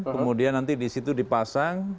kemudian nanti di situ dipasang